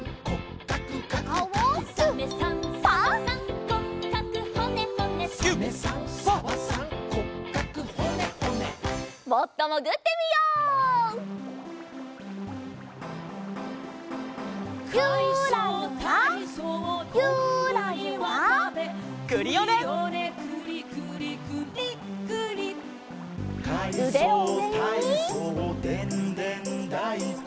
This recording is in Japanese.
「かいそうたいそうでんでんだいこ」